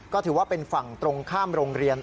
ก็ถือว่าเป็นฝั่งตรงข้ามโรงเรียน